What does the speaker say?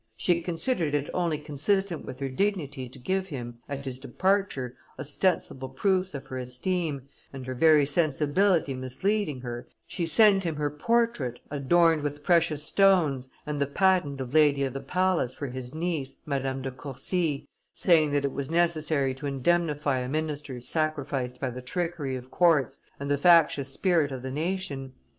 She considered it only consistent with her dignity to give him, at his departure, ostensible proofs of her esteem, and, her very sensibility misleading her, she sent him her portrait adorned with precious stones and the patent of lady of the palace for his niece, Madame de Courcy, saying that it was necessary to indemnify a minister sacrificed by the trickery of courts and the factious spirit of the nation.